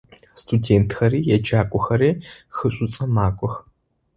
Студентхэри еджакӏохэри хы Шӏуцӏэм макӏох.